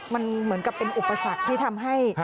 มันเหมือนกับเป็นอุปสรรคที่ทำให้